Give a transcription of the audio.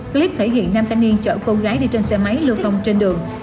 clip thể hiện nam thanh niên chở cô gái đi trên xe máy lưu thông trên đường